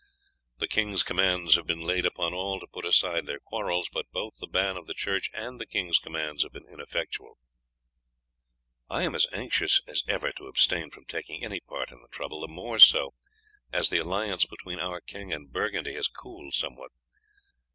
The king's commands have been laid upon all to put aside their quarrels, but both the ban of the Church and the king's commands have been ineffectual. I am as anxious as ever to abstain from taking any part in the trouble, the more so as the alliance between our king and Burgundy has cooled somewhat.